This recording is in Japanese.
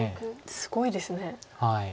すごいですね。